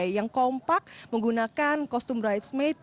yang kompak menggunakan kostum bridesmaid